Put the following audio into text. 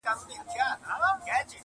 خو حل نه شته،